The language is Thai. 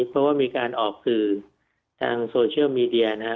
เพราะว่ามีการออกสื่อทางโซเชียลมีเดียนะครับ